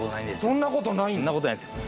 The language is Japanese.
そんなことないですよ